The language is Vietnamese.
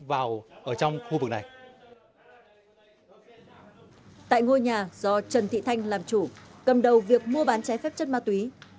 tại ngôi nhà do trần thị thanh làm chủ cầm đầu việc mua bán trái phép chất ma túy